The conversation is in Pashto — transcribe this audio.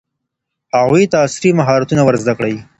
هغوی ته عصري مهارتونه ور زده کړئ.